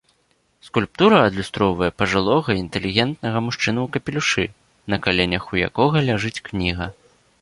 Скульптура адлюстроўвае пажылога інтэлігентнага мужчыну ў капелюшы, на каленях у якога ляжыць кніга.